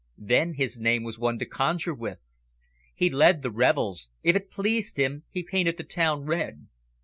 Then his name was one to conjure with. He led the revels; if it pleased him, he painted the town red.